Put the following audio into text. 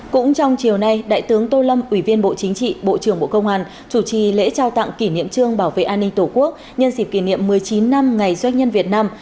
cũng trong chiều nay đại tướng tô lâm ủy viên bộ chính trị bộ trưởng bộ công an chủ trì lễ trao tặng kỷ niệm trương bảo vệ an ninh tổ quốc nhân dịp kỷ niệm một mươi chín năm ngày doanh nhân việt nam